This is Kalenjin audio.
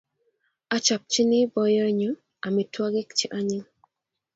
Achapchini boyonyu amitwogik che anyiny